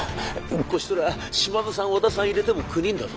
こちとら島田さん和田さん入れても９人だぞ。